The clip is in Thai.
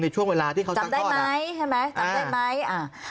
ในช่วงเวลาที่เขาจัดกรรมจำได้ไหมใช่ไหมจำได้ไหม